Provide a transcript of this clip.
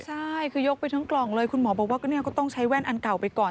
ใช่คือยกไปทั้งกล่องเลยคุณหมอบอกว่าก็ต้องใช้แว่นอันเก่าไปก่อน